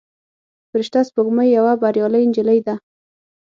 فرشته سپوږمۍ یوه بریالۍ نجلۍ ده.